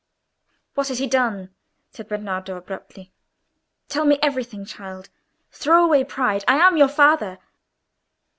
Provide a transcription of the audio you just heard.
"What has he done?" said Bernardo, abruptly. "Tell me everything, child; throw away pride. I am your father."